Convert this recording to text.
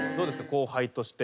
後輩として。